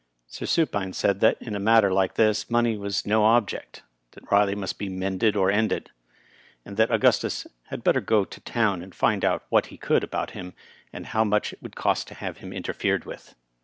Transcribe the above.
Sir Supine said that, in a matter like this, money was no object ; that Riley must be mended or ended ; and that Augustus had better go to town and find out what he could about him, and how much it would cost to have him interfered with.